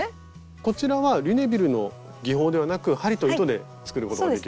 こちらはリュネビルの技法ではなく針と糸で作ることができる。